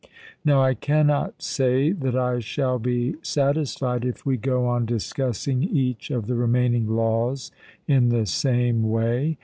Now I cannot say that I shall be satisfied, if we go on discussing each of the remaining laws in the same way.